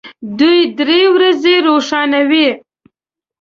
دوه درې ورځې روښانه وي.